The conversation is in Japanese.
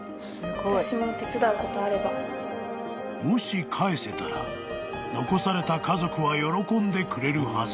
［もし返せたら残された家族は喜んでくれるはず］